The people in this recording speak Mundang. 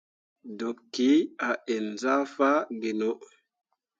Debki a ǝn zah faa gino.